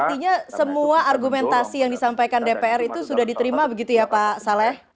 artinya semua argumentasi yang disampaikan dpr itu sudah diterima begitu ya pak saleh